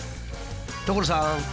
所さん！